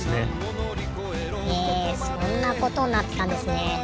へえそんなことになってたんですね。